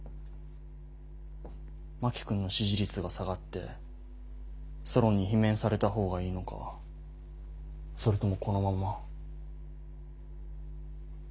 真木君の支持率が下がってソロンに罷免された方がいいのかそれともこのまま。